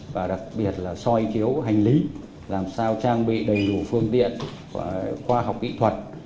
và đặc biệt là soi chiếu hành lý làm sao trang bị đầy đủ phương tiện khoa học kỹ thuật